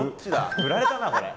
フラれたなこれ。